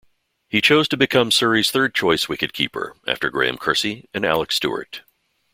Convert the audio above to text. He chose to become Surrey's third-choice wicket-keeper after Graham Kersey and Alec Stewart.